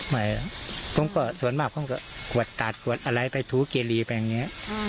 ไม่ผมก็ส่วนมากผมก็กวดตัดขวดอะไรไปถูเกรีไปอย่างนี้